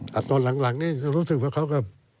แต่ตอนหลังเนี่ยรู้สึกว่าเขาก็